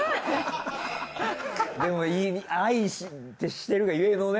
でも愛してるがゆえのね。